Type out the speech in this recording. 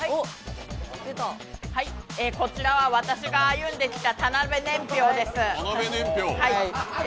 こちらは私が歩んできた田辺年表です。